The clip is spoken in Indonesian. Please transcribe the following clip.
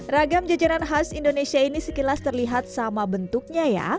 ragam jajanan khas indonesia ini sekilas terlihat sama bentuknya ya